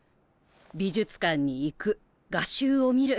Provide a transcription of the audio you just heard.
美術館に行く画集を見る。